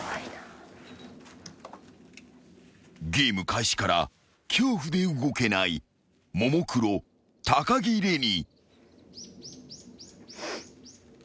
［ゲーム開始から恐怖で動けないももクロ高城れに］